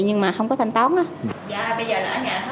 nhưng mà không có thanh toán